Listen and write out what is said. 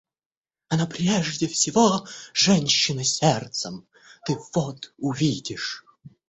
Она прежде всего женщина с сердцем, ты вот увидишь.